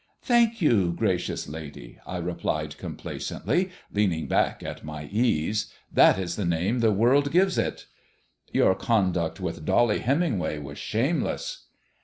"Thank you, gracious lady," I replied complacently, leaning back at my ease. "That is the name the world gives it." "Your conduct with Dolly Hemingway was shameless."